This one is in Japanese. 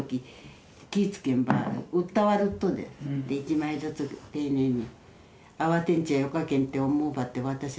１枚ずつ丁寧に。